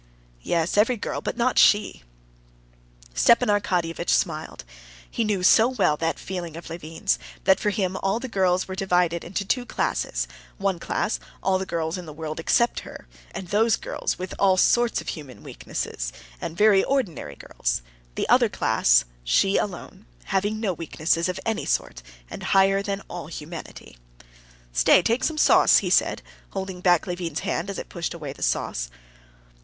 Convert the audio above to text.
"Yes, every girl, but not she." Stepan Arkadyevitch smiled. He so well knew that feeling of Levin's, that for him all the girls in the world were divided into two classes: one class—all the girls in the world except her, and those girls with all sorts of human weaknesses, and very ordinary girls: the other class—she alone, having no weaknesses of any sort and higher than all humanity. "Stay, take some sauce," he said, holding back Levin's hand as it pushed away the sauce.